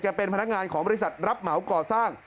เป็นพนักงานของบริษัทรับเหมาก่อสร้าง